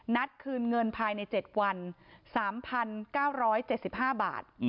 นัดคืนเงินภายใน๗วัน๓๙๗๕บาท